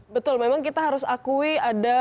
betul memang kita harus akui ada